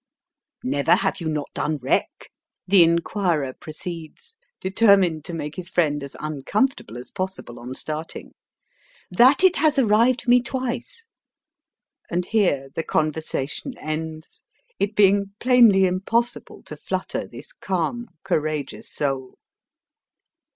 '^ Never have you not done wreck? " the inquirer proceeds, determined to make his friend as uncomfortable as possible on starting. " That it has arrived me twice ;" and here the conversation ends, it being plainly impos sible to flutter this calm, courageous soul.